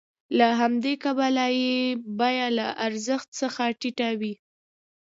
له همدې کبله یې بیه له ارزښت څخه ټیټه وي